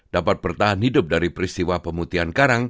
dapat bertahan hidup dari peristiwa pemutihan karang